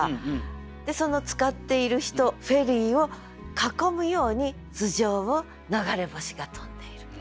でそのつかっている人フェリーを囲むように頭上を流れ星が飛んでいる。